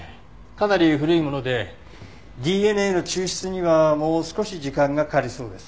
かなり古いものでＤＮＡの抽出にはもう少し時間がかかりそうです。